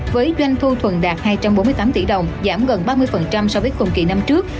với doanh thu thuần đạt hai trăm bốn mươi tám tỷ đồng giảm gần ba mươi so với cùng kỳ năm trước